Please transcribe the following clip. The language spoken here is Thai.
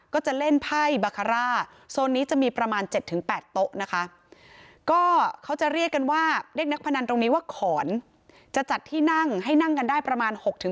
ก็จะเล่นไพ่บาคาร่าโซนนี้จะมีประมาณเจ็ดถึงแปดโต๊ะนะคะ